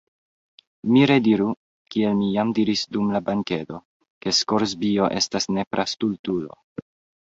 Mi rediru, kiel mi jam diris dum la bankedo, ke Skorzbio estas nepra stultulo.